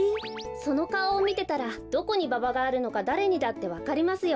そのかおをみてたらどこにババがあるのかだれにだってわかりますよ。